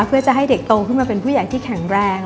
เพื่อจะให้เด็กโตขึ้นมาเป็นผู้ใหญ่ที่แข็งแรง